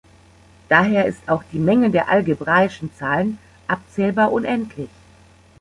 Daher ist auch die Menge der algebraischen Zahlen abzählbar unendlich.